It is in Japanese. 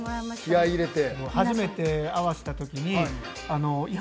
気合い入れて。